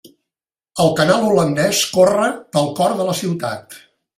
El canal holandès corre pel cor de la ciutat.